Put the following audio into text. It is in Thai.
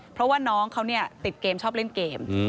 เพราะว่าน้องเขาติดเกมชอบเล่นเกม